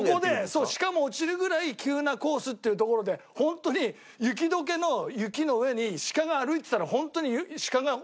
そうシカも落ちるぐらい急なコースっていう所で本当に雪解けの雪の上にシカが歩いてたら本当にシカが。